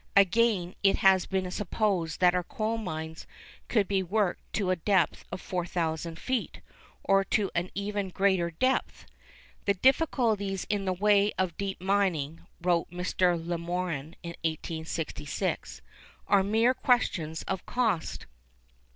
Again, it had been supposed that our coal mines could be worked to a depth of 4,000 feet, or to an even greater depth. 'The difficulties in the way of deep mining,' wrote Mr. Lemoran in 1866, 'are mere questions of cost.